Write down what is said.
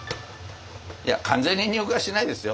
いや完全に乳化はしないですよ。